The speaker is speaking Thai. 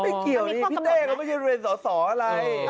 ไม่เกี่ยวนี่พี่เทเขาไม่ใช่งานสี่ว่าอะไร